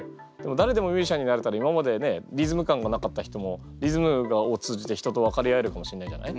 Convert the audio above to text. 誰でもミュージシャンになれたら今までねリズム感がなかった人もリズムを通じて人と分かり合えるかもしれないじゃない？